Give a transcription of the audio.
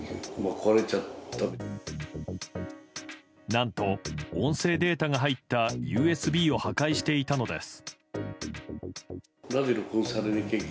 何と、音声データが入ったＵＳＢを破壊していたのです。